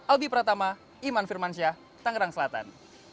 albi pratama iman firmansyah tangerang selatan